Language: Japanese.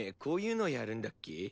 こういうのやるんだっけ？